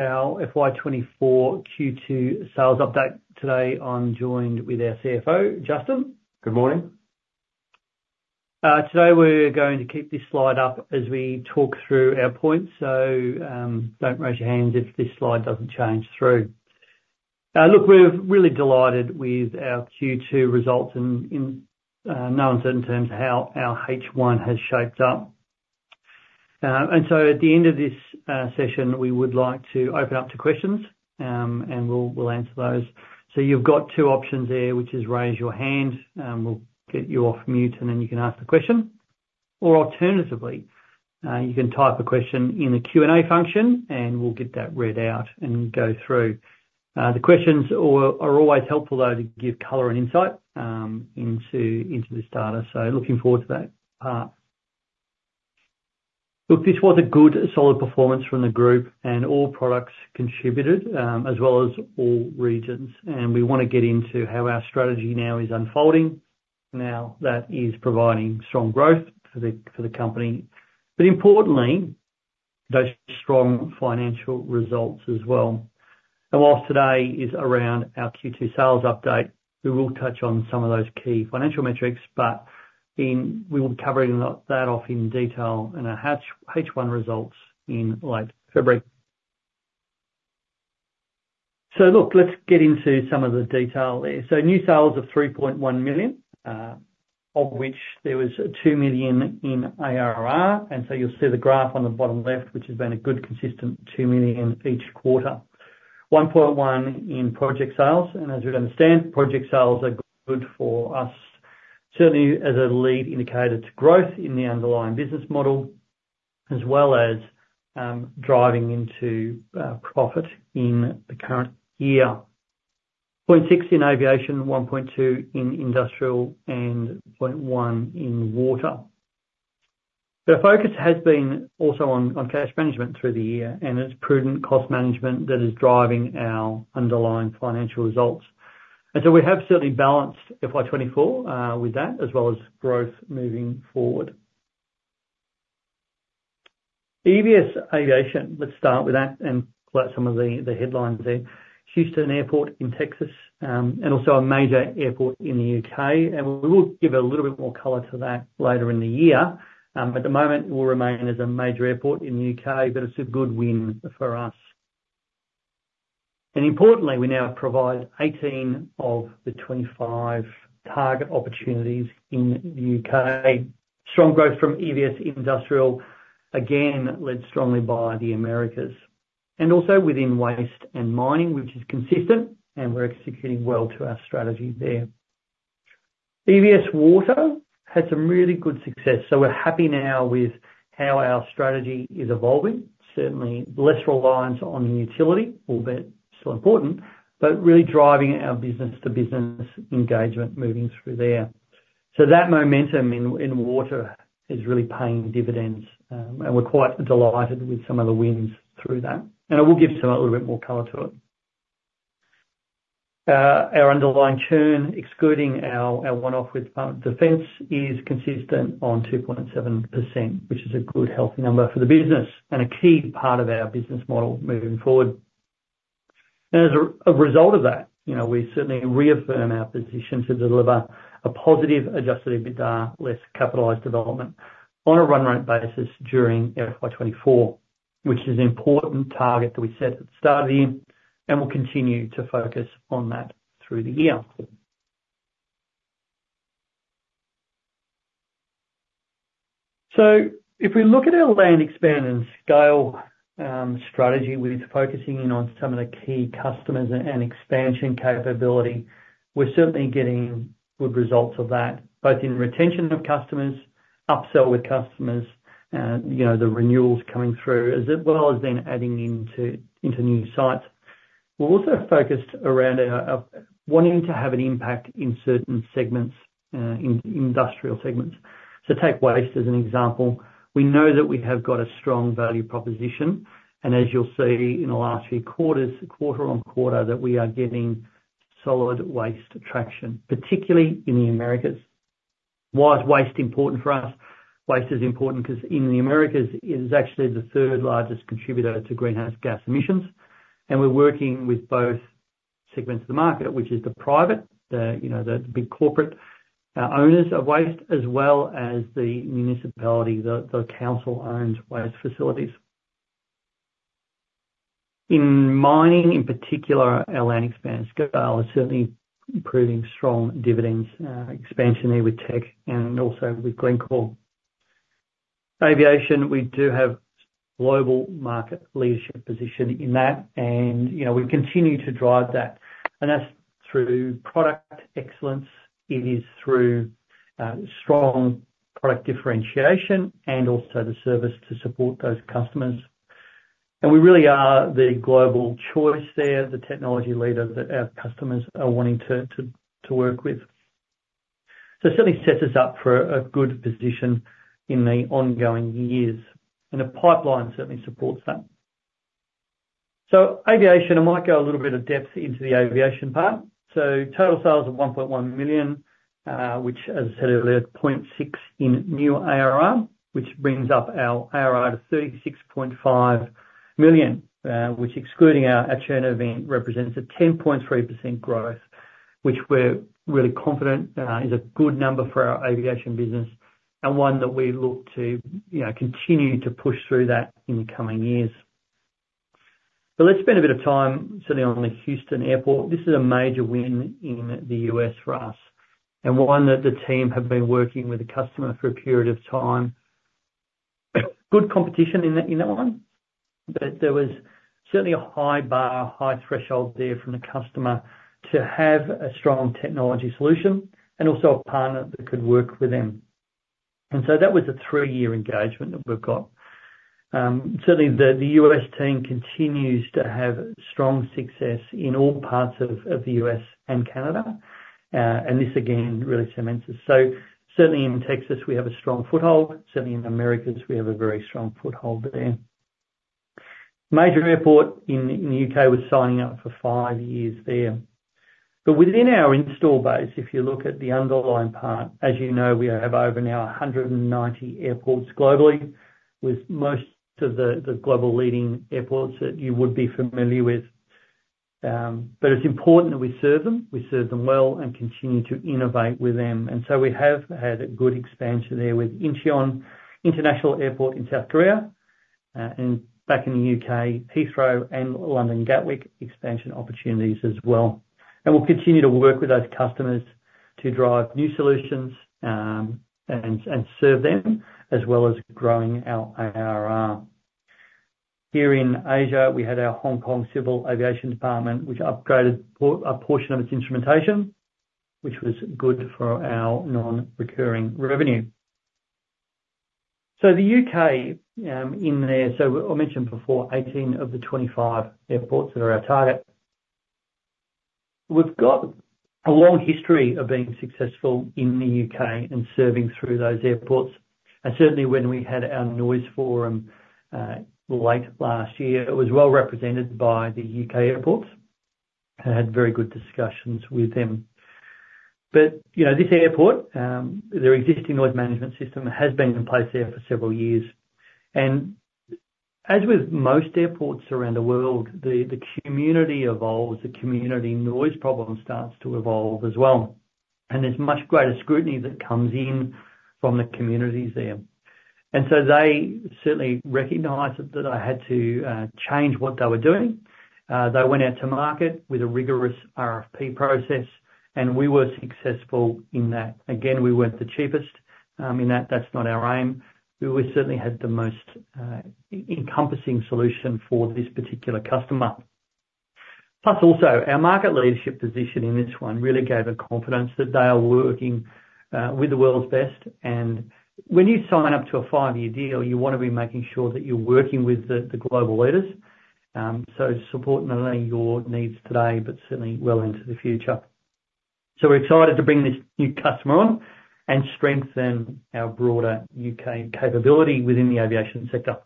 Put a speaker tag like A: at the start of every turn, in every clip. A: Our FY 2024 Q2 Sales update. Today, I'm joined with our CFO, Justin. Good morning. Today, we're going to keep this slide up as we talk through our points. So, don't raise your hands if this slide doesn't change through. Look, we're really delighted with our Q2 results in no uncertain terms, how our H1 has shaped up. And so at the end of this session, we would like to open up to questions, and we'll answer those. So you've got two options there, which is raise your hand, and we'll get you off mute, and then you can ask the question. Or alternatively, you can type a question in the Q&A function, and we'll get that read out and go through. The questions are always helpful though, to give color and insight into this data, so looking forward to that part. Look, this was a good, solid performance from the group, and all products contributed, as well as all regions. We wanna get into how our strategy now is unfolding. Now, that is providing strong growth for the company, but importantly, those strong financial results as well. Whilst today is around our Q2 sales update, we will touch on some of those key financial metrics, but we will be covering that off in detail in our H1 results in late February. So look, let's get into some of the detail there. So new sales of 3.1 million, of which there was 2 million in ARR, and so you'll see the graph on the bottom left, which has been a good, consistent two million each quarter. 1.1 in project sales, and as you'd understand, project sales are good for us, certainly as a lead indicator to growth in the underlying business model, as well as driving into profit in the current year. 0.6 in aviation, 1.2 in industrial, and 0.1 in water. The focus has been also on cash management through the year, and it's prudent cost management that is driving our underlying financial results. And so we have certainly balanced FY 2024 with that, as well as growth moving forward. EVS Aviation, let's start with that and pull out some of the headlines there. Houston Airport in Texas, and also a major airport in the U.K., and we will give a little bit more color to that later in the year. At the moment, we'll remain as a major airport in the U.K., but it's a good win for us. Importantly, we now provide 18 of the 25 target opportunities in the U.K.. Strong growth from EVS Industrial, again, led strongly by the America. Also within waste and mining, which is consistent, and we're executing well to our strategy there. EVS Water had some really good success, so we're happy now with how our strategy is evolving. Certainly, less reliance on the utility, albeit still important, but really driving our business to business engagement moving through there. So that momentum in water is really paying dividends, and we're quite delighted with some of the wins through that. I will give some a little bit more color to it. Our underlying churn, excluding our one-off with defense, is consistent on 2.7%, which is a good, healthy number for the business and a key part of our business model moving forward. As a result of that, you know, we certainly reaffirm our position to deliver a positive Adjusted EBITDA less capitalized development on a run rate basis during FY 2024, which is an important target that we set at the start of the year, and we'll continue to focus on that through the year. So if we look at our Land, Expand, and Scale strategy, which is focusing in on some of the key customers and expansion capability, we're certainly getting good results of that, both in retention of customers, upsell with customers, you know, the renewals coming through, as well as then adding into new sites. We're also focused around our wanting to have an impact in certain segments in industrial segments. So take waste as an example. We know that we have got a strong value proposition, and as you'll see in the last few quarters, quarter-on-quarter, that we are getting solid waste traction, particularly in the America. Why is waste important for us? Waste is important 'cause in the America, it is actually the third largest contributor to greenhouse gas emissions, and we're working with both segments of the market, which is the private, you know, the big corporate owners of waste, as well as the municipality, the council-owned waste facilities. In mining, in particular, our land expansion scale is certainly proving strong dividends, expansion there with Teck and also with Glencore. Aviation, we do have global market leadership position in that, and, you know, we continue to drive that. And that's through product excellence, it is through strong product differentiation and also the service to support those customers. And we really are the global choice there, the technology leader that our customers are wanting to work with. So it certainly sets us up for a good position in the ongoing years, and the pipeline certainly supports that. So aviation, I might go a little bit of depth into the aviation part. So total sales of 1.1 million, which, as I said earlier, 0.6 in new ARR, which brings up our ARR to 36.5 million, which, excluding our churn event, represents a 10.3% growth, which we're really confident is a good number for our aviation business and one that we look to, you know, continue to push through that in the coming years. But let's spend a bit of time sitting on the Houston Airport. This is a major win in the U.S. for us, and one that the team have been working with the customer for a period of time. Good competition in that one, but there was certainly a high bar, high threshold there from the customer to have a strong technology solution and also a partner that could work with them. And so that was a three-year engagement that we've got. Certainly the U.S. team continues to have strong success in all parts of the U.S. and Canada, and this again, really cements it. So certainly in Texas, we have a strong foothold. Certainly in the America, we have a very strong foothold there. Major airport in the U.K. was signing up for five years there. But within our install base, if you look at the underlying part, as you know, we have over now 190 airports globally, with most of the global leading airports that you would be familiar with. But it's important that we serve them, we serve them well, and continue to innovate with them. And so we have had a good expansion there with Incheon International Airport in South Korea, and back in the U.K., Heathrow and London Gatwick expansion opportunities as well. And we'll continue to work with those customers to drive new solutions, and, and serve them, as well as growing our ARR. Here in Asia, we had our Hong Kong Civil Aviation Department, which upgraded a portion of its instrumentation, which was good for our non-recurring revenue. So the U.K., in there, so I mentioned before, 18 of the 25 airports are our target. We've got a long history of being successful in the U.K. and serving through those airports, and certainly when we had our noise forum late last year, it was well represented by the U.K. airports, and had very good discussions with them. But, you know, this airport, their existing noise management system has been in place there for several years. And as with most airports around the world, the community evolves, the community noise problem starts to evolve as well, and there's much greater scrutiny that comes in from the communities there. And so they certainly recognized that they had to change what they were doing. They went out to market with a rigorous RFP process, and we were successful in that. Again, we weren't the cheapest, in that, that's not our aim. We certainly had the most encompassing solution for this particular customer. Plus, also, our market leadership position in this one really gave a confidence that they are working with the world's best. And when you sign up to a five-year deal, you wanna be making sure that you're working with the global leaders, so supporting not only your needs today, but certainly well into the future. So we're excited to bring this new customer on and strengthen our broader U.K. capability within the aviation sector.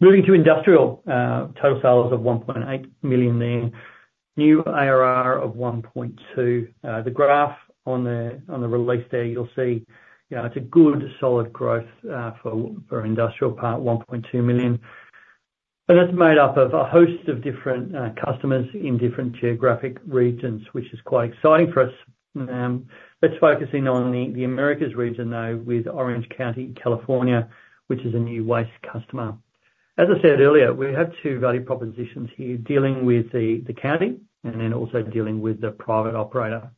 A: Moving to industrial, total sales of 1.8 million there. New ARR of 1.2 million. The graph on the release there, you'll see, you know, it's a good, solid growth for our industrial part, 1.2 million. But that's made up of a host of different customers in different geographic regions, which is quite exciting for us. Let's focus in on the America region, though, with Orange County, California, which is a new waste customer. As I said earlier, we have two value propositions here, dealing with the county and then also dealing with the private operator.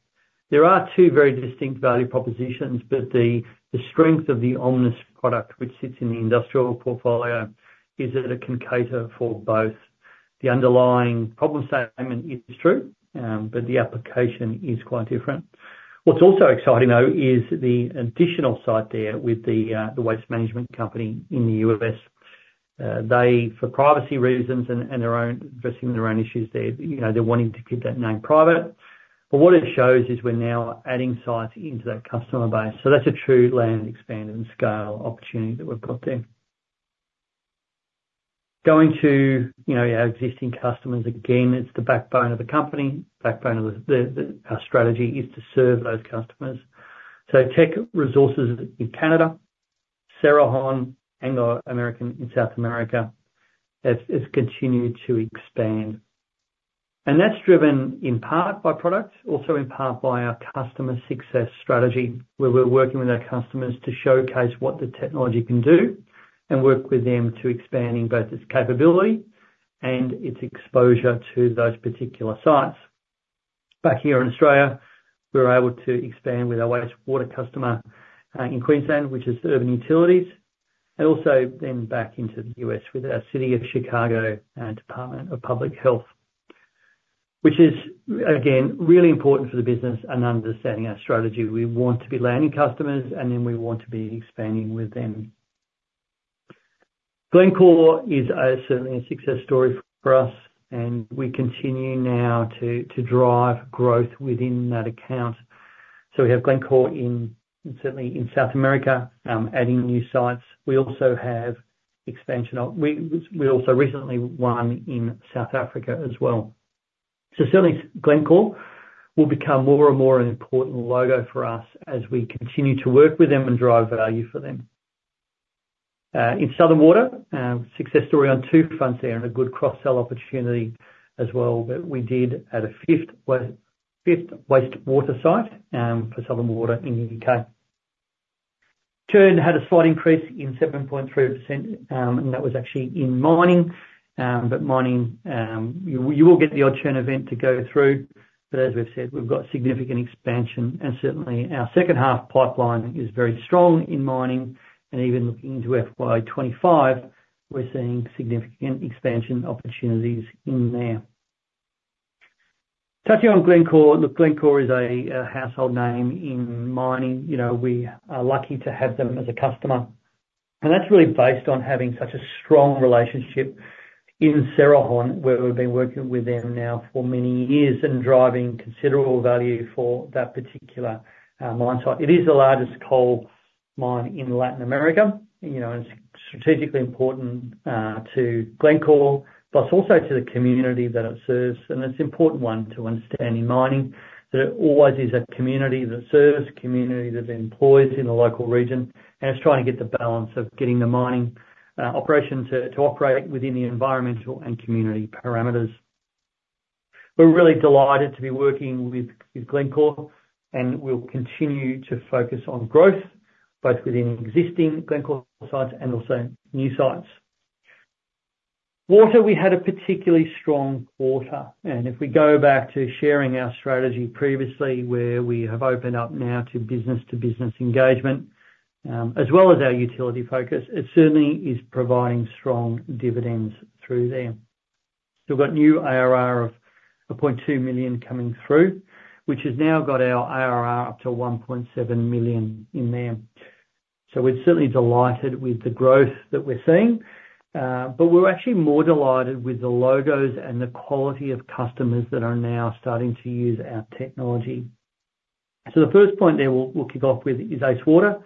A: There are two very distinct value propositions, but the strength of the Omnis product, which sits in the industrial portfolio, is that it can cater for both. The underlying problem statement is true, but the application is quite different. What's also exciting, though, is the additional site there with the waste management company in the U.S. They, for privacy reasons and their own, addressing their own issues there, you know, they're wanting to keep that name private. What it shows is we're now adding sites into that customer base. That's a true Land, Expand, and Scale opportunity that we've got there. Going to, you know, our existing customers, again, it's the backbone of the company. The backbone of our strategy is to serve those customers. Teck Resources in Canada, Cerrejón and Americasin South America has continued to expand. That's driven in part by products, also in part by our customer success strategy, where we're working with our customers to showcase what the technology can do, and work with them to expanding both its capability and its exposure to those particular sites. Back here in Australia, we're able to expand with our wastewater customer in Queensland, which is Urban Utilities, and also then back into the U.S. with our City of Chicago Department of Public Health, which is, again, really important for the business and understanding our strategy. We want to be landing customers, and then we want to be expanding with them. Glencore is certainly a success story for us, and we continue now to drive growth within that account. So we have Glencore certainly in South America adding new sites. We also have expansion, we also recently won in South Africa as well. So certainly Glencore will become more and more an important logo for us as we continue to work with them and drive value for them... In Southern Water, success story on two fronts there, and a good cross-sell opportunity as well, but we did at a fifth wastewater site for Southern Water in the U.K.. Churn had a slight increase in 7.3%, and that was actually in mining. But mining, you will get the odd churn event to go through. But as we've said, we've got significant expansion, and certainly our second half pipeline is very strong in mining, and even looking into FY 2025, we're seeing significant expansion opportunities in there. Touching on Glencore. Look, Glencore is a household name in mining. You know, we are lucky to have them as a customer, and that's really based on having such a strong relationship in Cerrejón, where we've been working with them now for many years and driving considerable value for that particular mine site. It is the largest coal mine in Latin America, you know, and it's strategically important to Glencore, plus also to the community that it serves. And it's an important one to understand in mining, that it always is a community that serves, a community that employs in the local region, and it's trying to get the balance of getting the mining operation to operate within the environmental and community parameters. We're really delighted to be working with Glencore, and we'll continue to focus on growth, both within existing Glencore sites and also new sites. Water, we had a particularly strong quarter, and if we go back to sharing our strategy previously, where we have opened up now to business-to-business engagement, as well as our utility focus, it certainly is providing strong dividends through there. So we've got new ARR of 0.2 million coming through, which has now got our ARR up to 1.7 million in there. So we're certainly delighted with the growth that we're seeing, but we're actually more delighted with the logos and the quality of customers that are now starting to use our technology. So the first point that we'll kick off with is Ace Water.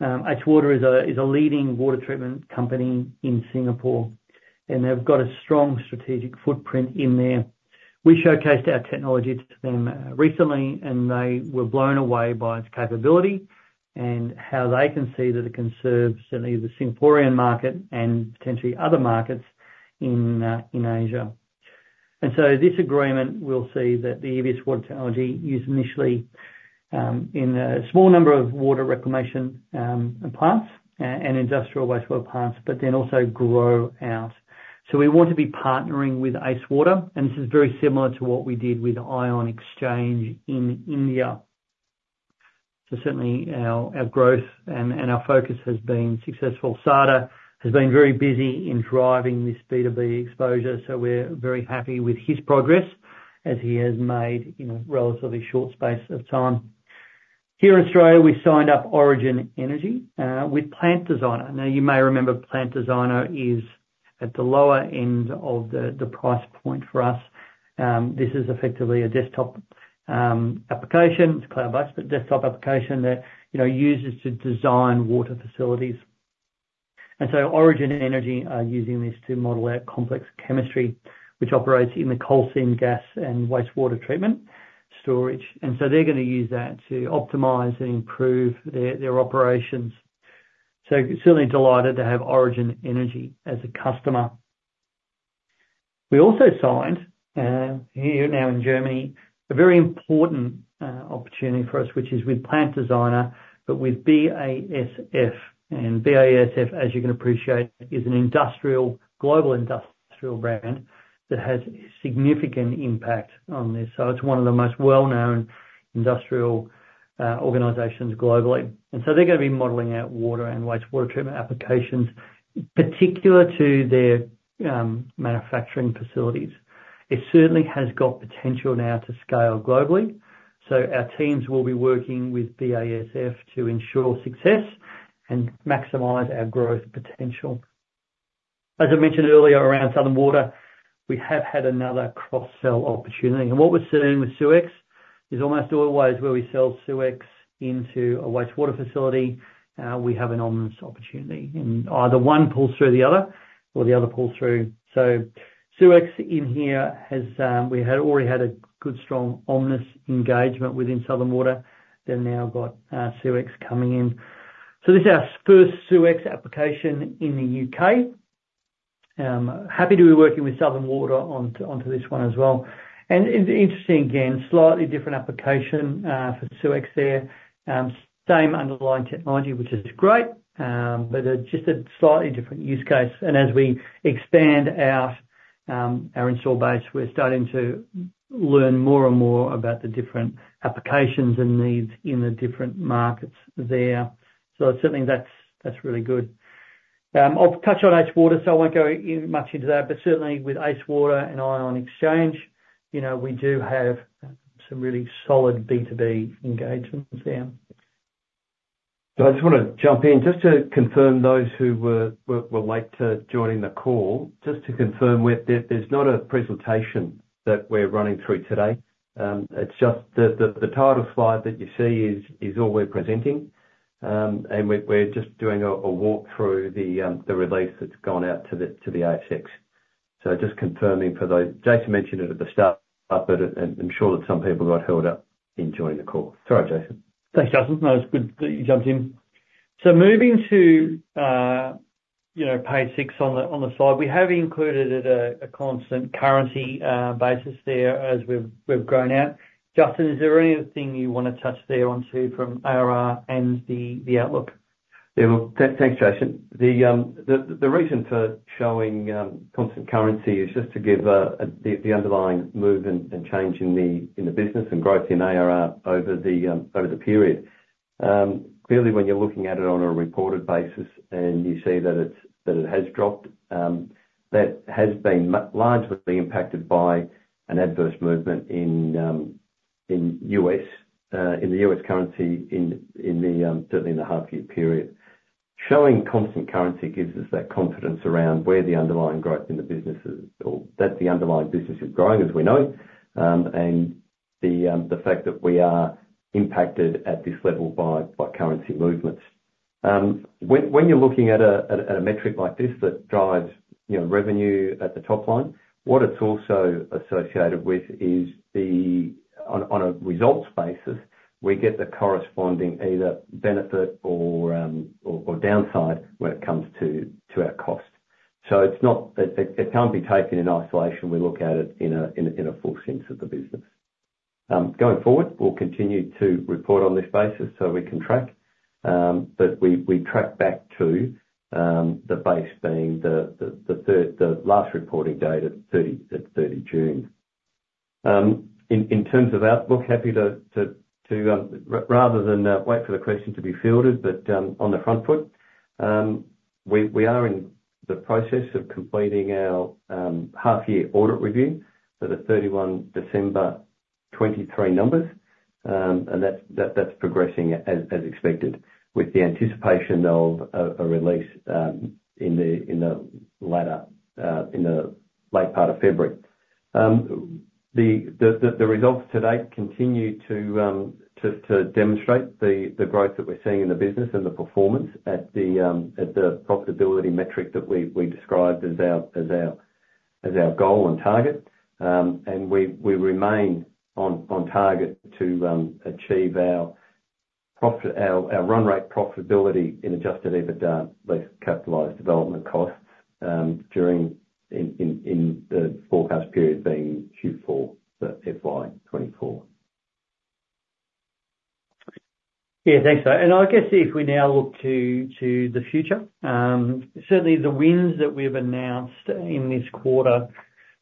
A: Ace Water is a leading water treatment company in Singapore, and they've got a strong strategic footprint in there. We showcased our technology to them recently, and they were blown away by its capability and how they can see that it can serve certainly the Singaporean market and potentially other markets in Asia. And so this agreement will see that the EVS Water technology used initially in a small number of water reclamation plants and industrial wastewater plants, but then also grow out. So we want to be partnering with Ace Water, and this is very similar to what we did with Ion Exchange in India. So certainly our growth and our focus has been successful. Chadi has been very busy in driving this B2B exposure, so we're very happy with his progress as he has made in a relatively short space of time. Here in Australia, we signed up Origin Energy with Plant Designer. Now, you may remember Plant Designer is at the lower end of the price point for us. This is effectively a desktop application. It's cloud-based, but desktop application that you know uses to design water facilities. And so Origin Energy are using this to model out complex chemistry, which operates in the coal seam gas and wastewater treatment storage. And so they're going to use that to optimize and improve their operations. So certainly delighted to have Origin Energy as a customer. We also signed here now in Germany a very important opportunity for us, which is with Plant Designer, but with BASF. And BASF, as you can appreciate, is an industrial global industrial brand that has significant impact on this. So it's one of the most well-known industrial organizations globally. They're going to be modeling out water and wastewater treatment applications particular to their manufacturing facilities. It certainly has got potential now to scale globally, so our teams will be working with BASF to ensure success and maximize our growth potential. As I mentioned earlier, around Southern Water, we have had another cross-sell opportunity. What we're seeing with SeweX is almost always where we sell SeweX into a wastewater facility, we have an Omnis opportunity, and either one pulls through the other or the other pulls through. So SeweX in here has, we had already had a good, strong Omnis engagement within Southern Water. They've now got SeweX coming in. So this is our first SeweX application in the U.K. Happy to be working with Southern Water onto this one as well. It's interesting, again, slightly different application for SeweX there. Same underlying technology, which is great, but just a slightly different use case. As we expand our install base, we're starting to learn more and more about the different applications and needs in the different markets there. So certainly that's really good. I'll touch on Ace Water, so I won't go in much into that, but certainly with Ace Water and Ion Exchange, you know, we do have some really solid B2B engagements there.
B: I just want to jump in, just to confirm those who were late to joining the call, just to confirm that there's not a presentation that we're running through today. It's just the title slide that you see is all we're presenting. We're just doing a walk through the release that's gone out to the ASX. Just confirming for those, Jason mentioned it at the start, but I'm sure that some people got held up in joining the call. Sorry, Jason.
A: Thanks, Justin. No, it's good that you jumped in. So moving to, you know, page six on the slide. We have included at a constant currency basis there as we've grown out. Justin, is there anything you wanna touch there on to from ARR and the outlook?
B: Yeah, well, thanks, Jason. The reason for showing constant currency is just to give the underlying movement and change in the business and growth in ARR over the period. Clearly, when you're looking at it on a reported basis and you see that it has dropped, that has been largely impacted by an adverse movement in US currency, certainly in the half year period. Showing constant currency gives us that confidence around where the underlying growth in the business is, or that the underlying business is growing, as we know, and the fact that we are impacted at this level by currency movements. When you're looking at a metric like this that drives, you know, revenue at the top line, what it's also associated with is the. On a results basis, we get the corresponding either benefit or downside when it comes to our cost. So it's not, it can't be taken in isolation, we look at it in a full sense of the business. Going forward, we'll continue to report on this basis so we can track, but we track back to the base being the last reporting date at 30 June. In terms of outlook, happy to rather than wait for the question to be fielded, but on the front foot, we are in the process of completing our half year audit review for the 31 December 2023 numbers. And that's progressing as expected, with the anticipation of a release in the late part of February. The results to date continue to demonstrate the growth that we're seeing in the business and the performance at the profitability metric that we described as our goal and target. We remain on target to achieve our run rate profitability in Adjusted EBITDA, less capitalized development costs, during the forecast period being Q4 FY 2024.
A: Yeah, thanks. And I guess if we now look to the future, certainly the wins that we've announced in this quarter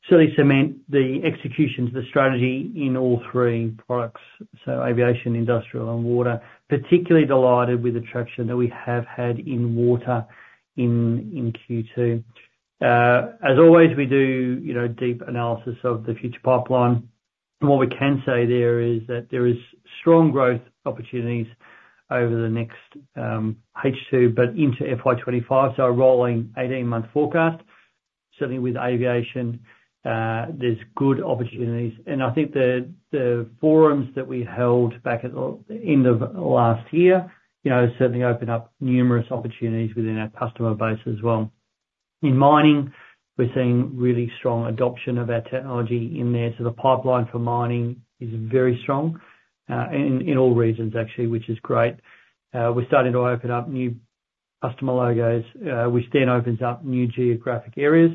A: certainly cement the executions, the strategy in all three products: so aviation, industrial, and water. Particularly delighted with the traction that we have had in water in Q2. As always, we do, you know, deep analysis of the future pipeline. And what we can say there is that there is strong growth opportunities over the next H2, but into FY 25, so a rolling 18-month forecast. Certainly with aviation, there's good opportunities. And I think the forums that we held back at the end of last year, you know, certainly opened up numerous opportunities within our customer base as well. In mining, we're seeing really strong adoption of our technology in there. So the pipeline for mining is very strong in all regions actually, which is great. We're starting to open up new customer logos, which then opens up new geographic areas.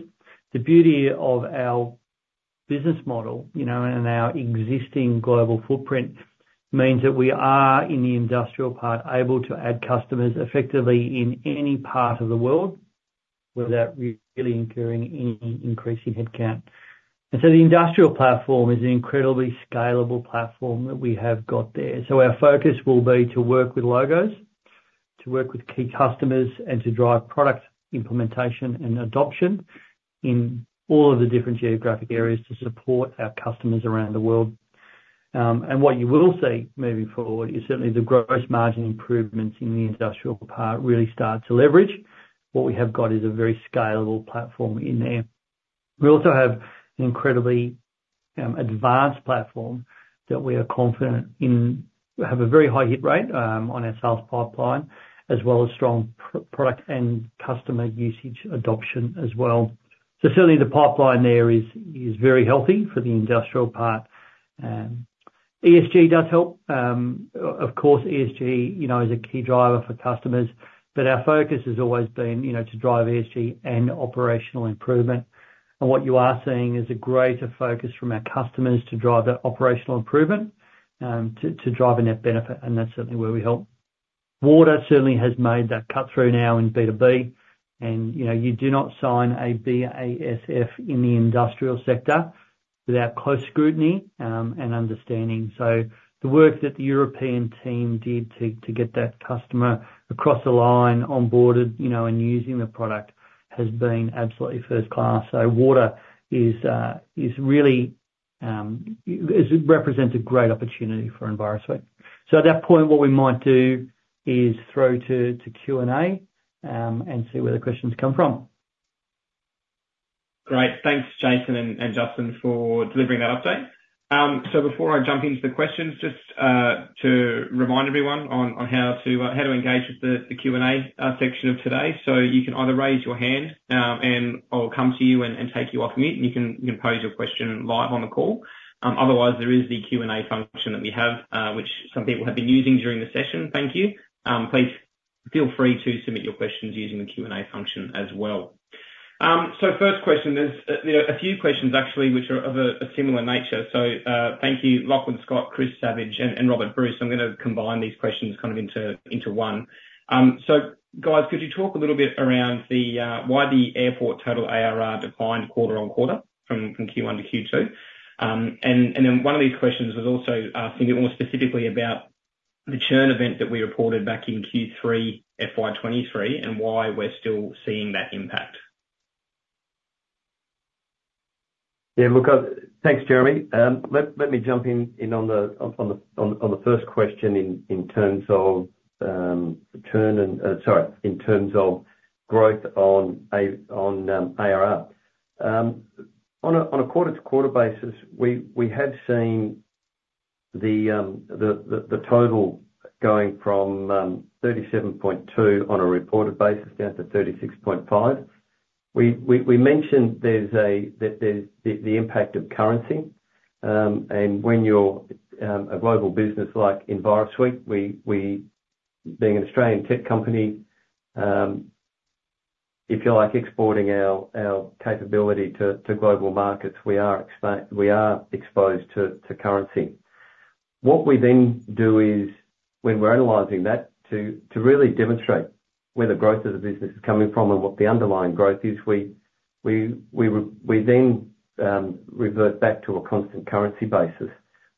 A: The beauty of our business model, you know, and our existing global footprint, means that we are in the industrial part able to add customers effectively in any part of the world without really incurring any increase in headcount. And so the industrial platform is an incredibly scalable platform that we have got there. So our focus will be to work with logos, to work with key customers, and to drive product implementation and adoption in all of the different geographic areas to support our customers around the world. What you will see moving forward is certainly the gross margin improvements in the industrial part really start to leverage. What we have got is a very scalable platform in there. We also have an incredibly advanced platform that we are confident in. We have a very high hit rate on our sales pipeline, as well as strong product and customer usage adoption as well. So certainly the pipeline there is very healthy for the industrial part. ESG does help. Of course, ESG, you know, is a key driver for customers, but our focus has always been, you know, to drive ESG and operational improvement. And what you are seeing is a greater focus from our customers to drive that operational improvement to drive a net benefit, and that's certainly where we help. Water certainly has made that cut-through now in B2B, and, you know, you do not sign a BASF in the industrial sector without close scrutiny and understanding. So the work that the European team did to get that customer across the line onboarded, you know, and using the product, has been absolutely first class. So water represents a great opportunity for Envirosuite. So at that point, what we might do is throw to Q&A, and see where the questions come from.
C: Great. Thanks, Jason and Justin, for delivering that update... So before I jump into the questions, just to remind everyone on how to engage with the Q&A section of today. So you can either raise your hand, and I'll come to you and take you off mute, and you can pose your question live on the call. Otherwise, there is the Q&A function that we have, which some people have been using during the session. Thank you. Please feel free to submit your questions using the Q&A function as well. So first question: There are a few questions actually, which are of a similar nature. So, thank you, Scott Lockwood, Chris Savage, and Robert Bruce. I'm gonna combine these questions kind of into one. So, guys, could you talk a little bit around the why the airport total ARR declined quarter-on-quarter from Q1 to Q2? And then one of these questions was also asking a bit more specifically about the churn event that we reported back in Q3 FY 2023, and why we're still seeing that impact.
B: Yeah, look, thanks, Jeremy. Let me jump in on the first question in terms of churn and sorry, in terms of growth on a ARR. On a quarter-to-quarter basis, we have seen the total going from 37.2 on a reported basis, down to 36.5. We mentioned there's the impact of currency, and when you're a global business like Envirosuite, we being an Australian tech company, if you like, exporting our capability to global markets, we are exposed to currency. What we then do is when we're analyzing that, to really demonstrate where the growth of the business is coming from and what the underlying growth is, we then revert back to a constant currency basis,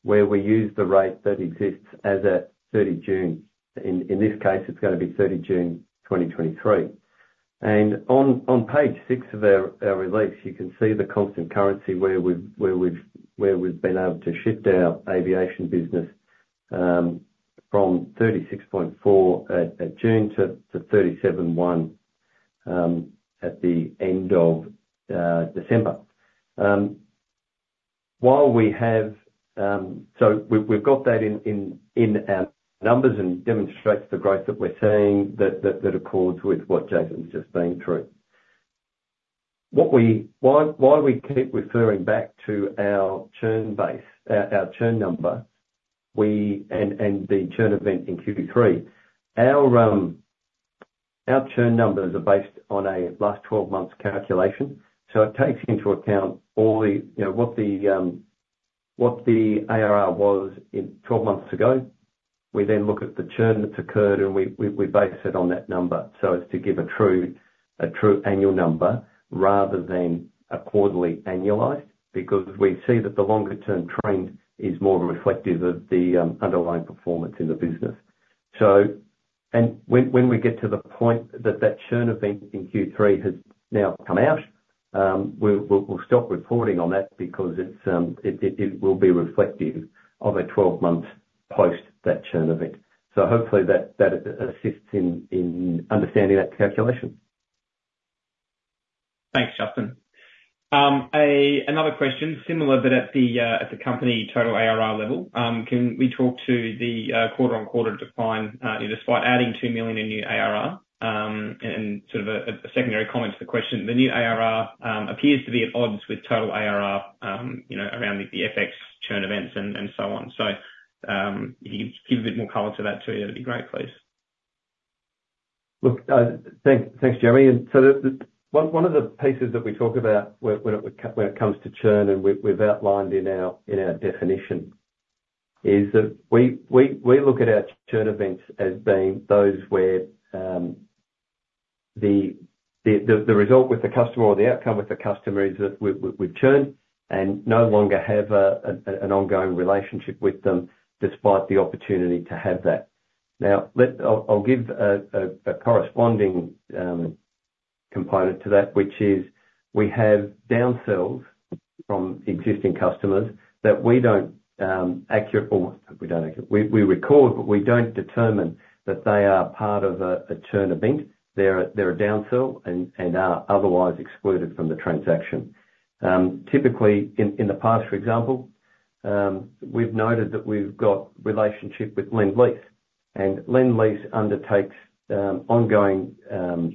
B: where we use the rate that exists as at 30 June. In this case, it's gonna be 30 June 2023. And on page six of our release, you can see the constant currency where we've been able to shift our aviation business from 36.4 at June to 37.1 at the end of December. So we've got that in our numbers and demonstrates the growth that we're seeing, that accords with what Jason's just been through. Why we keep referring back to our churn base, our churn number. And the churn event in Q3, our churn numbers are based on a last 12 months calculation, so it takes into account all the, you know, what the ARR was 12 months ago. We then look at the churn that's occurred, and we base it on that number. So as to give a true annual number rather than a quarterly annualized, because we see that the longer term trend is more reflective of the underlying performance in the business. So... When we get to the point that the churn event in Q3 has now come out, we'll stop reporting on that because it will be reflective of a 12-month post that churn event. Hopefully that assists in understanding that calculation.
C: Thanks, Justin. Another question, similar, but at the company total ARR level. Can we talk to the quarter-on-quarter decline despite adding 2 million in new ARR? And sort of a secondary comment to the question, the new ARR appears to be at odds with total ARR, you know, around the FX churn events and so on. So, if you could give a bit more color to that too, that'd be great, please.
B: Look, thanks, Jeremy. So one of the pieces that we talk about when it comes to churn, and we've outlined in our definition, is that we look at our churn events as being those where the result with the customer or the outcome with the customer is that we've churned and no longer have an ongoing relationship with them, despite the opportunity to have that. Now, I'll give a corresponding component to that, which is we have downsells from existing customers that we don't account or we don't account—we record, but we don't determine that they are part of a churn event. They're a downsell and are otherwise excluded from the transaction. Typically in the past, for example, we've noted that we've got relationship with Lendlease, and Lendlease undertakes ongoing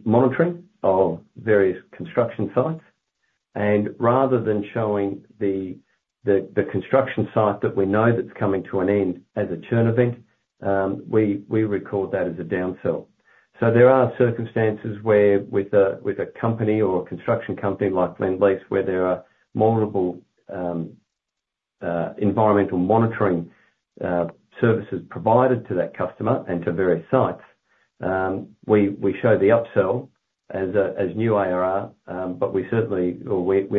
B: monitoring of various construction sites. Rather than showing the construction site that we know that's coming to an end as a churn event, we record that as a downsell. So there are circumstances where with a company or a construction company like Lendlease, where there are multiple environmental monitoring services provided to that customer and to various sites, we show the upsell as new ARR, but we certainly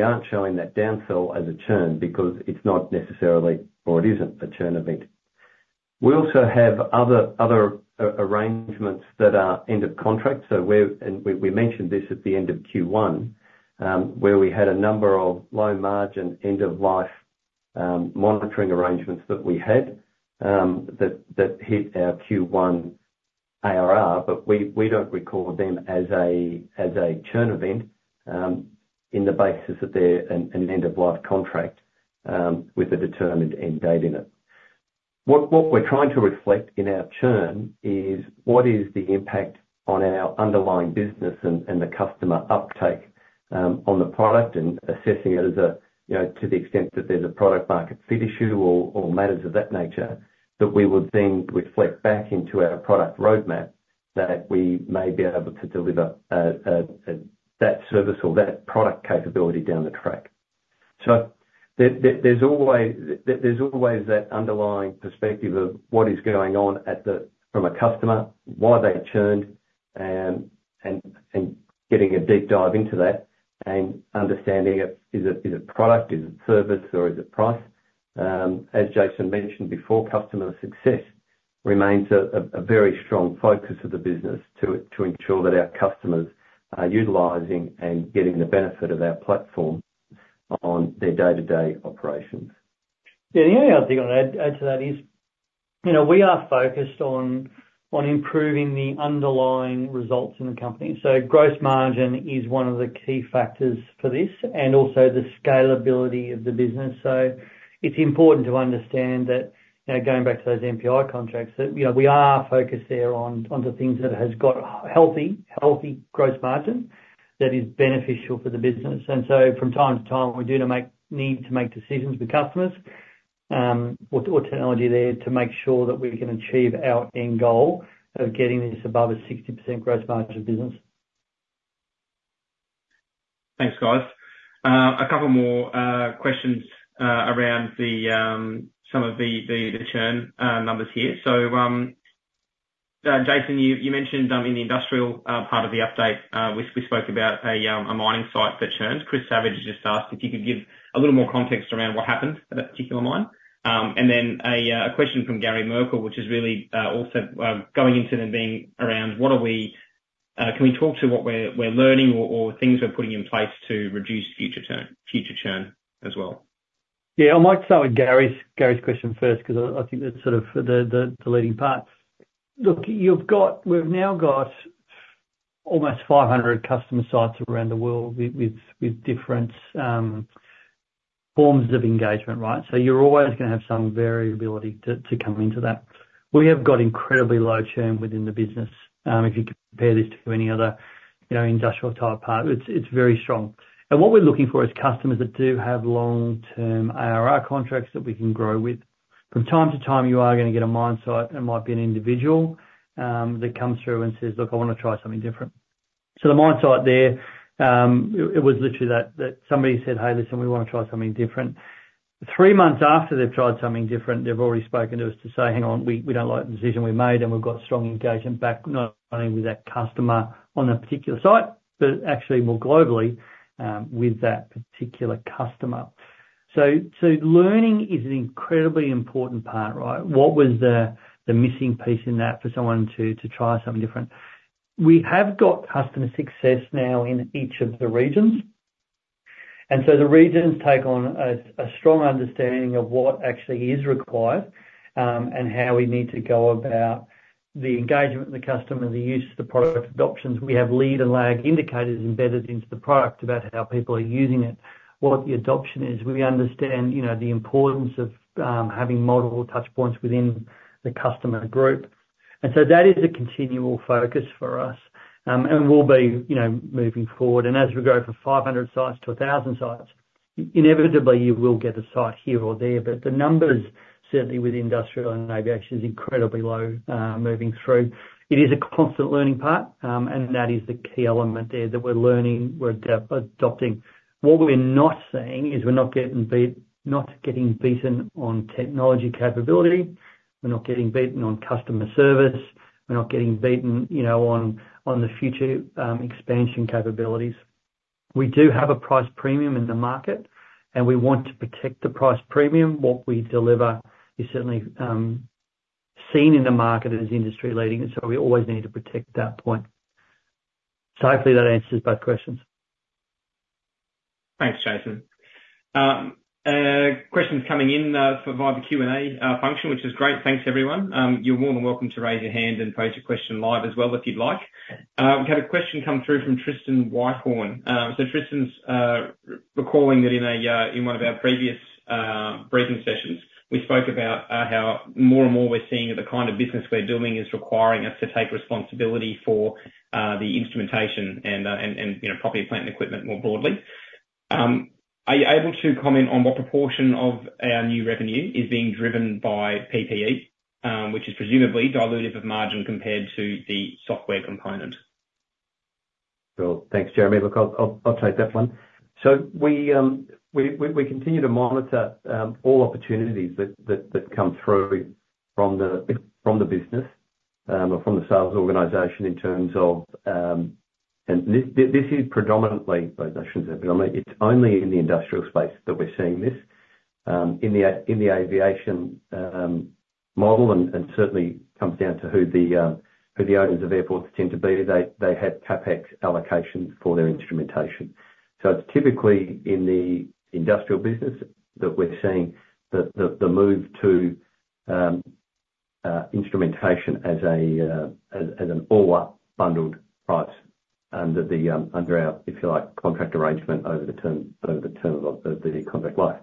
B: aren't showing that downsell as a churn because it's not necessarily, or it isn't a churn event. We also have other arrangements that are end of contract. So where, and we, we mentioned this at the end of Q1, where we had a number of low-margin, end-of-life, monitoring arrangements that we had, that, that hit our Q1 ARR, but we, we don't record them as a, as a churn event, on the basis that they're an, an end-of-life contract, with a determined end date in it. What, what we're trying to reflect in our churn is what is the impact on our underlying business and, and the customer uptake, on the product, and assessing it as a, you know, to the extent that there's a product market fit issue or, or matters of that nature, that we would then reflect back into our product roadmap, that we may be able to deliver, that service or that product capability down the track. There's always that underlying perspective of what is going on at the customer, why they churned, and getting a deep dive into that, and understanding it, is it product? Is it service, or is it price? As Jason mentioned before, customer success remains a very strong focus of the business to ensure that our customers are utilizing and getting the benefit of our platform on their day-to-day operations.
A: Yeah, the only other thing I'd add to that is, you know, we are focused on improving the underlying results in the company. So gross margin is one of the key factors for this, and also the scalability of the business. So it's important to understand that, you know, going back to those NPI contracts, that, you know, we are focused there on the things that has got healthy gross margin that is beneficial for the business. And so from time to time, we need to make decisions with customers, or technology there, to make sure that we can achieve our end goal of getting this above a 60% gross margin business.
C: Thanks, guys. A couple more questions around some of the churn numbers here. So, Jason, you mentioned in the industrial part of the update, we spoke about a mining site that churns. Chris Savage just asked if you could give a little more context around what happened at that particular mine? And then a question from Gary Merkel, which is really also going into and being around what are we... Can we talk to what we're learning or things we're putting in place to reduce future churn as well?
A: Yeah, I might start with Gary's, Gary's question first, because I, I think that's sort of the, the, the leading part. Look, you've got-- we've now got almost 500 customer sites around the world with, with, with different forms of engagement, right? So you're always gonna have some variability to, to come into that. We have got incredibly low churn within the business. If you compare this to any other, you know, industrial type part, it's, it's very strong. And what we're looking for is customers that do have long-term ARR contracts that we can grow with. From time to time, you are gonna get a mine site, it might be an individual, that comes through and says, "Look, I want to try something different." So the mine site there, it was literally that somebody said, "Hey, listen, we want to try something different." Three months after they've tried something different, they've already spoken to us to say, "Hang on, we don't like the decision we made," and we've got strong engagement back, not only with that customer on that particular site, but actually more globally, with that particular customer. So learning is an incredibly important part, right? What was the missing piece in that for someone to try something different? We have got customer success now in each of the regions. So the regions take on a strong understanding of what actually is required, and how we need to go about the engagement with the customer, the use of the product adoptions. We have lead and lag indicators embedded into the product about how people are using it, what the adoption is. We understand, you know, the importance of having multiple touch points within the customer group. And so that is a continual focus for us. And we'll be, you know, moving forward. And as we go from 500 sites to 1,000 sites, inevitably you will get a site here or there. But the numbers, certainly with industrial and aviation, is incredibly low moving through. It is a constant learning part, and that is the key element there, that we're learning, we're adopting. What we're not seeing is we're not getting beat, not getting beaten on technology capability. We're not getting beaten on customer service. We're not getting beaten, you know, on the future expansion capabilities. We do have a price premium in the market, and we want to protect the price premium. What we deliver is certainly seen in the market as industry leading, and so we always need to protect that point. So hopefully that answers both questions.
C: Thanks, Jason. Questions coming in via the Q&A function, which is great. Thanks, everyone. You're more than welcome to raise your hand and pose your question live as well, if you'd like. We've had a question come through from Tristan Whitehorn. So Tristan's recalling that in one of our previous briefing sessions, we spoke about how more and more we're seeing that the kind of business we're doing is requiring us to take responsibility for the instrumentation and, you know, property, plant and equipment more broadly. Are you able to comment on what proportion of our new revenue is being driven by PPE? Which is presumably dilutive of margin compared to the software component.
B: Sure. Thanks, Jeremy. Look, I'll take that one. So we continue to monitor all opportunities that come through from the business or from the sales organization in terms of... And this is predominantly, I shouldn't say predominantly, it's only in the industrial space that we're seeing this in the aviation model, and certainly comes down to who the owners of airports tend to be. They have CapEx allocations for their instrumentation. So it's typically in the industrial business that we're seeing the move to instrumentation as an all-up bundled price under the under our, if you like, contract arrangement over the term of the contract life.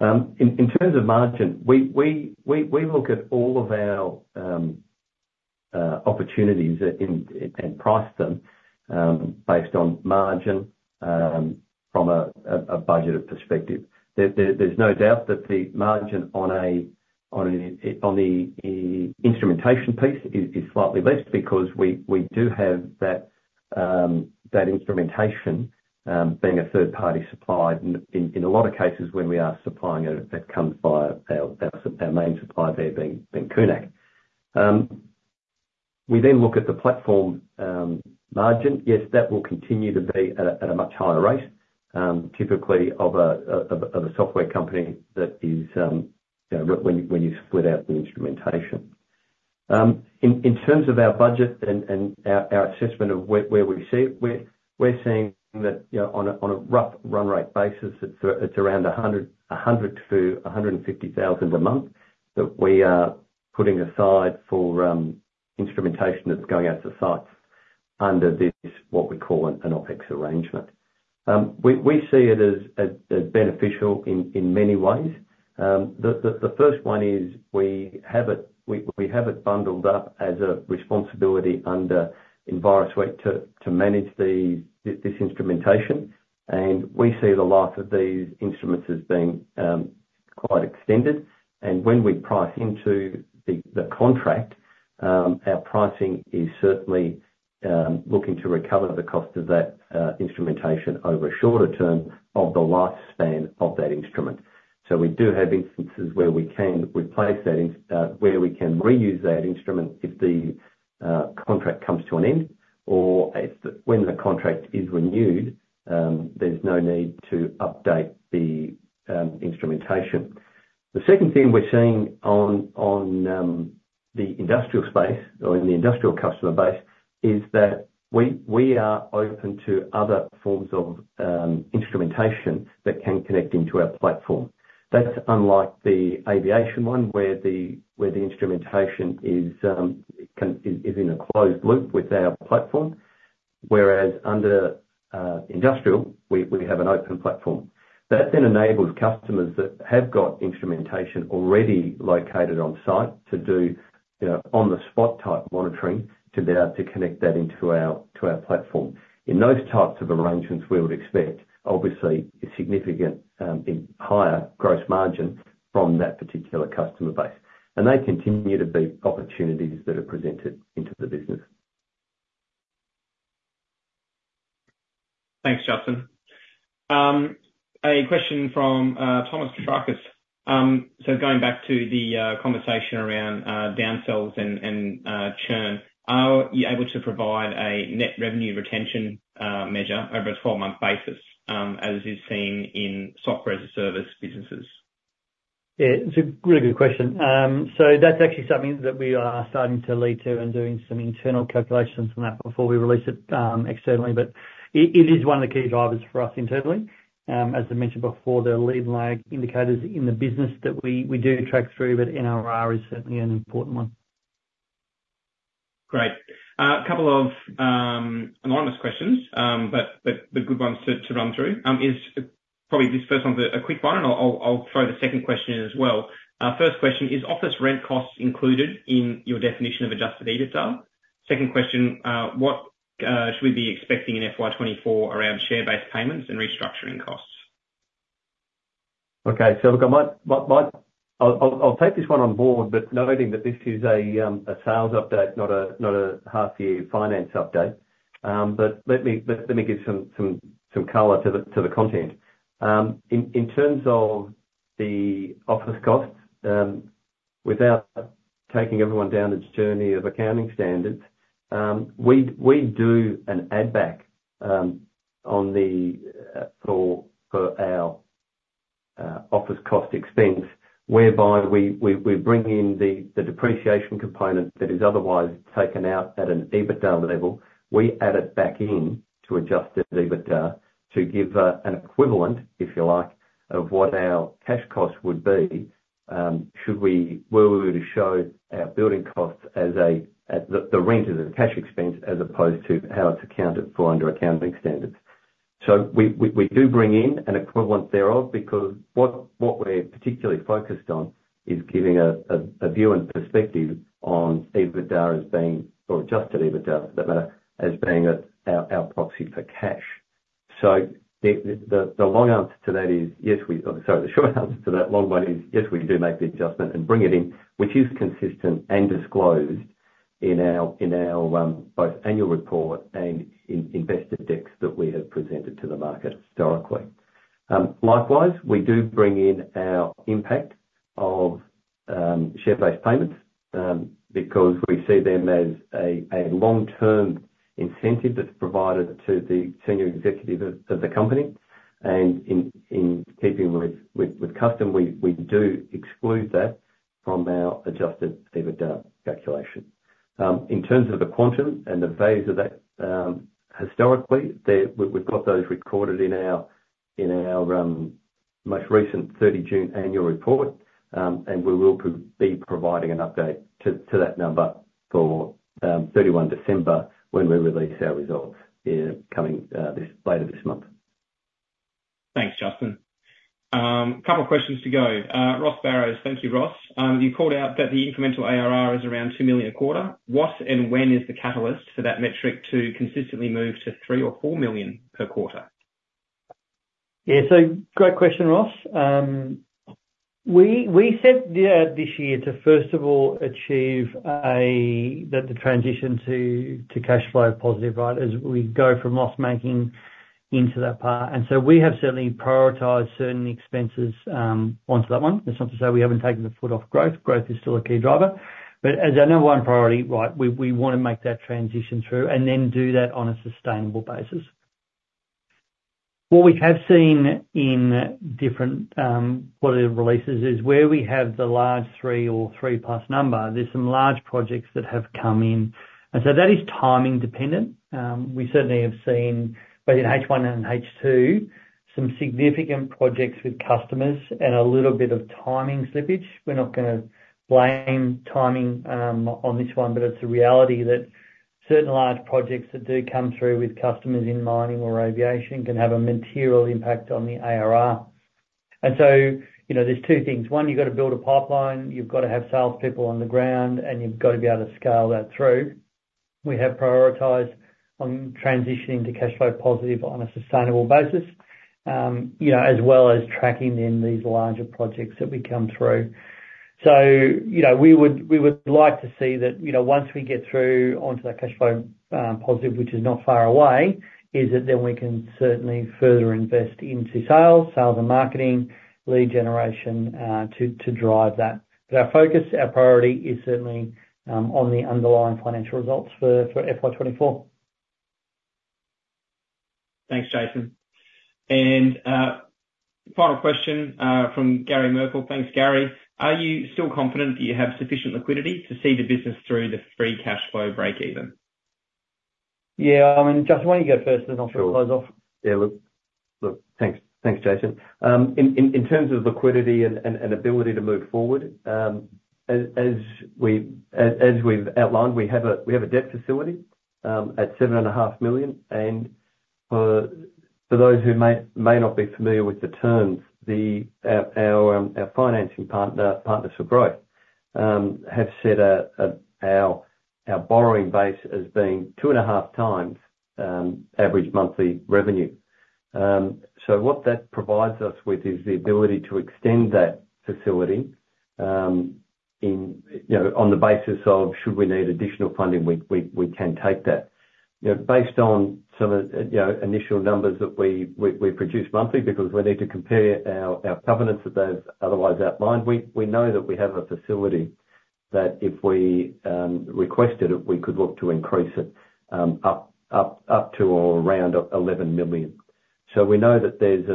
B: In terms of margin, we look at all of our opportunities and price them based on margin from a budgeted perspective. There's no doubt that the margin on the instrumentation piece is slightly less, because we do have that instrumentation being third-party supplied in a lot of cases when we are supplying it, that comes via our main supplier there being Kunak. We then look at the platform margin. Yes, that will continue to be at a much higher rate, typically of a software company that is, you know, when you split out the instrumentation. In terms of our budget and our assessment of where we see it, we're seeing that, you know, on a rough run rate basis, it's around 100 thousand-150 thousand a month that we are putting aside for instrumentation that's going out to sites under this, what we call an OpEx arrangement. We see it as beneficial in many ways. The first one is we have it bundled up as a responsibility under Envirosuite to manage this instrumentation. And we see the life of these instruments as being quite extended. When we price into the contract, our pricing is certainly looking to recover the cost of that instrumentation over a shorter term of the lifespan of that instrument. So we do have instances where we can replace that, where we can reuse that instrument if the contract comes to an end, or if the... When the contract is renewed, there's no need to update the instrumentation. The second thing we're seeing on the industrial space or in the industrial customer base is that we are open to other forms of instrumentation that can connect into our platform. That's unlike the aviation one, where the instrumentation is in a closed loop with our platform. Whereas under industrial, we have an open platform. That then enables customers that have got instrumentation already located on site to do, you know, on-the-spot type monitoring, to be able to connect that into our, to our platform. In those types of arrangements, we would expect obviously a significant, in higher gross margin from that particular customer base, and they continue to be opportunities that are presented into the business.
C: Thanks, Justin. A question from Thomas Shakis. So going back to the conversation around downsells and churn, are you able to provide a net revenue retention measure over a 12-month basis, as is seen in software-as-a-service businesses?
A: Yeah, it's a really good question. So that's actually something that we are starting to lead to and doing some internal calculations on that before we release it externally. But it, it is one of the key drivers for us internally. As I mentioned before, the lead lag indicators in the business that we, we do track through, but NRR is certainly an important one.
C: Great. A couple of anonymous questions, but good ones to run through. This first one is probably a quick one, and I'll throw the second question in as well. First question: Is office rent costs included in your definition of Adjusted EBITDA? Second question: What should we be expecting in FY 2024 around share-based payments and restructuring costs?
B: Okay. So look, I might... I'll take this one on board, but noting that this is a sales update, not a half year finance update. Let me give some color to the content. In terms of the office costs, without taking everyone down this journey of accounting standards, we do an add back on the for our office cost expense, whereby we bring in the depreciation component that is otherwise taken out at an EBITDA level. We add it back in to adjust the EBITDA, to give an equivalent, if you like, of what our cash costs would be, were we to show our building costs as the rent as a cash expense, as opposed to how it's accounted for under accounting standards. So we do bring in an equivalent thereof, because what we're particularly focused on is giving a view and perspective on EBITDA as being, or adjusted EBITDA for that matter, as being our proxy for cash. So the long answer to that is yes, we... Oh, sorry, the short answer to that long one is, yes, we do make the adjustment and bring it in, which is consistent and disclosed in our both annual report and in investor decks that we have presented to the market historically. Likewise, we do bring in our impact of share-based payments because we see them as a long-term incentive that's provided to the senior executive of the company. And in keeping with custom, we do exclude that from our Adjusted EBITDA calculation. In terms of the quantum and the phase of that, historically, we, we've got those recorded in our most recent 30 June annual report, and we will be providing an update to that number for 31 December, when we release our results later this month.
C: Thanks, Justin. Couple questions to go. Ross Barrows. Thank you, Ross. You called out that the incremental ARR is around 2 million a quarter. What and when is the catalyst for that metric to consistently move to 3 million or 4 million per quarter?
A: Yeah, so great question, Ross. We, we set out this year to, first of all, achieve that the transition to, to cash flow positive, right? As we go from loss making into that part. And so we have certainly prioritized certain expenses, onto that one. That's not to say we haven't taken the foot off growth. Growth is still a key driver, but as our number one priority, right, we, we wanna make that transition through and then do that on a sustainable basis. What we have seen in different, quality of releases is where we have the large three or 3+ number, there's some large projects that have come in. And so that is timing dependent. We certainly have seen, both in H1 and H2, some significant projects with customers and a little bit of timing slippage. We're not gonna blame timing on this one, but it's a reality that certain large projects that do come through with customers in mining or aviation can have a material impact on the ARR. And so, you know, there's two things. One, you've got to build a pipeline, you've got to have sales people on the ground, and you've got to be able to scale that through. We have prioritized on transitioning to cash flow positive on a sustainable basis, you know, as well as tracking in these larger projects that we come through. So, you know, we would like to see that, you know, once we get through onto that cash flow positive, which is not far away, is that then we can certainly further invest into sales, sales and marketing, lead generation, to drive that. But our focus, our priority, is certainly on the underlying financial results for FY 2024.
C: Thanks, Jason. Final question from Gary Merkel. Thanks, Gary. Are you still confident that you have sufficient liquidity to see the business through the free cash flow breakeven?
A: Yeah. I mean, Justin, why don't you go first and then I'll close off?
B: Yeah. Look, thanks. Thanks, Jason. In terms of liquidity and ability to move forward, as we've outlined, we have a debt facility at 7.5 million, and for those who may not be familiar with the terms, our financing partner, Partners for Growth, have set our borrowing base as being 2.5 times average monthly revenue. So what that provides us with is the ability to extend that facility, you know, on the basis of should we need additional funding, we can take that. You know, based on some of the initial numbers that we produce monthly because we need to compare our covenants that they've otherwise outlined. We know that we have a facility that if we requested it, we could look to increase it up to around 11 million. So we know that there's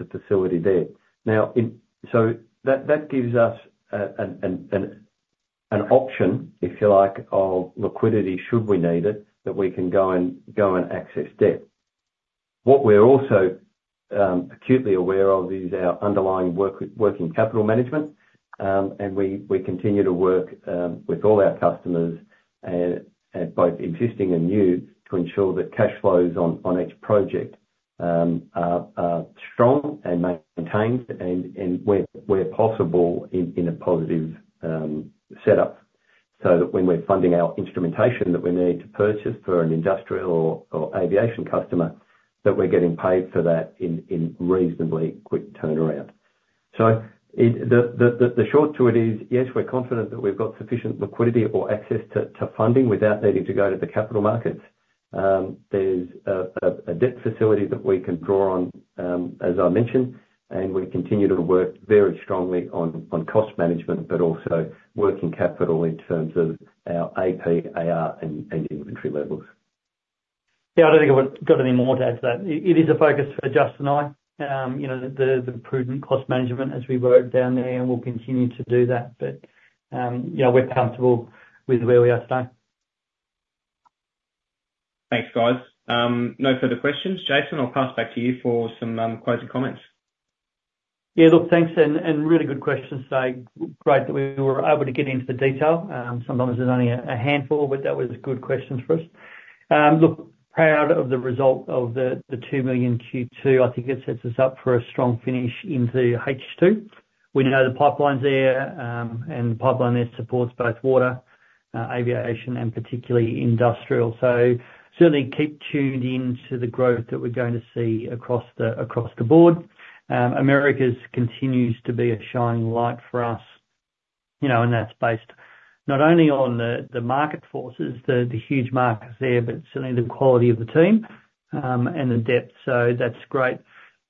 B: a facility there. Now, so that gives us an option, if you like, of liquidity, should we need it, that we can go and access debt. What we're also acutely aware of is our underlying working capital management, and we continue to work with all our customers, both existing and new, to ensure that cash flows on each project are strong and maintained and where possible, in a positive setup, so that when we're funding our instrumentation that we need to purchase for an industrial or aviation customer, that we're getting paid for that in reasonably quick turnaround. So the short of it is, yes, we're confident that we've got sufficient liquidity or access to funding without needing to go to the capital markets. There's a debt facility that we can draw on, as I mentioned, and we continue to work very strongly on cost management, but also working capital in terms of our AP, AR, and inventory levels.
A: Yeah, I don't think I've got anything more to add to that. It is a focus for Justin and I, you know, the prudent cost management as we work down there, and we'll continue to do that. But, yeah, we're comfortable with where we are today.
C: Thanks, guys. No further questions. Jason, I'll pass it back to you for some closing comments.
A: Yeah, look, thanks, and really good questions today. Great that we were able to get into the detail. Sometimes there's only a handful, but that was good questions for us. Look, proud of the result of the 2 million Q2. I think it sets us up for a strong finish into H2. We know the pipeline's there, and the pipeline there supports both water, aviation, and particularly industrial. So certainly keep tuned in to the growth that we're going to see across the board. Americas continues to be a shining light for us, you know, and that's based not only on the market forces, the huge markets there, but certainly the quality of the team, and the depth. So that's great.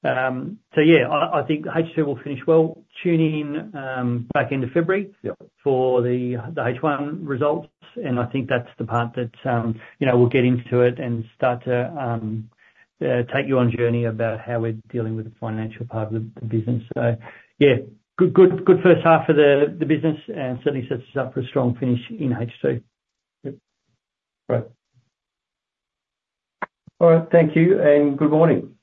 A: So yeah, I think H2 will finish well. Tune in, back end of February-
B: Yep
A: ...for the H1 results, and I think that's the part that, you know, we'll get into it and start to take you on a journey about how we're dealing with the financial part of the business. So yeah, good, good, good first half for the business, and certainly sets us up for a strong finish in H2.
B: Yep. Great. All right. Thank you, and good morning.